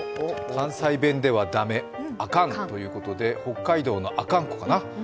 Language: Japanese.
関西弁では駄目、アカンということで北海道の阿寒湖かな。